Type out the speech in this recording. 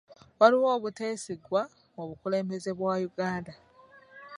Waliwo obuteesigwa mu bukulembeze bwa Uganda.